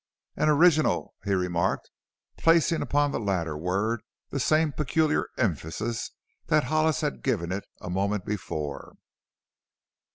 "And original," he remarked, placing upon the latter word the same peculiar emphasis that Hollis had given it a moment before.